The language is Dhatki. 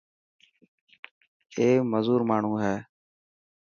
اي مزور ماڻهو هي.